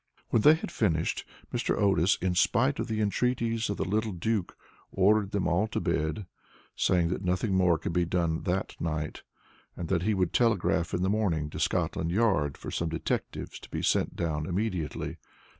When they had finished, Mr. Otis, in spite of the entreaties of the little Duke, ordered them all to bed, saying that nothing more could be done that night, and that he would telegraph in the morning to Scotland Yard for some detectives to be sent down immediately.